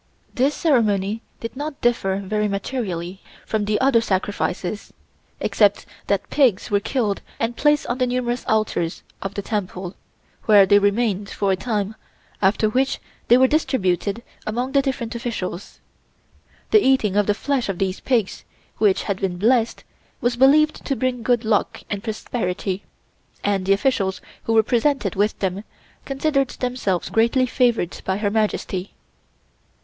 This ceremony did not differ very materially from the other sacrifices, except that pigs were killed and placed on the numerous altars of the Temple, where they remained for a time, after which they were distributed among the different officials. The eating of the flesh of these pigs, which had been blessed, was believed to bring good luck and prosperity, and the officials who were presented with them considered themselves greatly favored by Her Majesty.